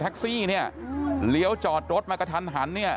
แท็กซี่เนี่ยเหลี้ยวจอดรถมากระทันหัน